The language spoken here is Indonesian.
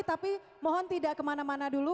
tapi mohon tidak kemana mana dulu